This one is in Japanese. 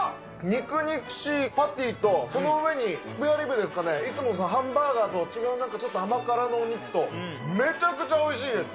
肉肉しいパティと、その上にスペアリブですかね、いつものハンバーガーと違う甘辛のお肉と、めちゃくちゃおいしいです。